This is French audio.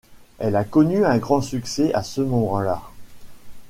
Elle a connu un grand succès à ce moment-là.